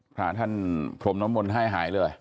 พระท่านพรมน้ำมนต์ให้หายเลย